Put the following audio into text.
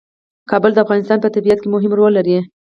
کابل د افغانستان په طبیعت کې مهم رول لري.